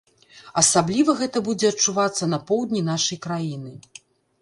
Асабліва гэта будзе адчувацца на поўдні нашай краіны.